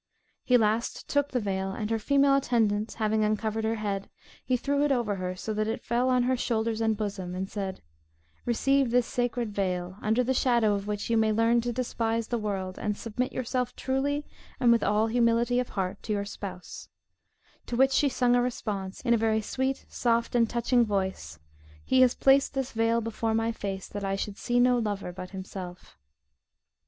He last took the veil, and her female attendants having uncovered her head, he threw it over her, so that it fell on her shoulders and bosom, and said, "Receive this sacred veil, under the shadow of which you may learn to despise the world, and submit yourself truly, and with all humility of heart, to your Spouse;" to which she sung a response, in a very sweet, soft, and touching voice: "He has placed this veil before my face that I should see no lover but himself."